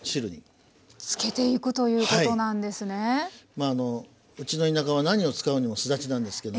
まああのうちの田舎は何を使うにもすだちなんですけど。